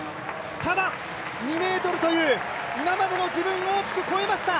ただ２ｍという今までの自分を大きく超えました。